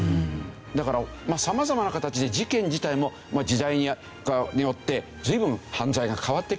だから様々な形で事件自体も時代によって随分犯罪が変わってきている。